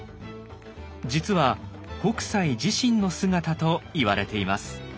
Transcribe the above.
実は北斎自身の姿といわれています。